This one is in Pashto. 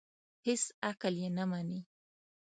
هېڅ عقل یې نه مني.